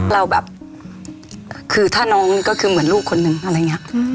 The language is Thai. เราแบบคือถ้าน้องนี่ก็คือเหมือนลูกคนนึงอะไรอย่างนี้